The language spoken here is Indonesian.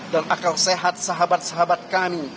dan akal sehat sahabat sahabat kami